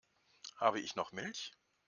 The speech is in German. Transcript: Habe ich noch Milch?